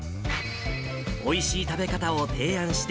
おいしい食べ方を提案して、